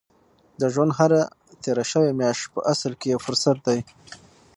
د ژوند هره تېره شوې میاشت په اصل کې یو فرصت دی.